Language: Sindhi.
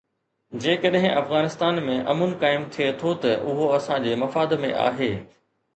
جيڪڏهن افغانستان ۾ امن قائم ٿئي ٿو ته اهو اسان جي مفاد ۾ آهي.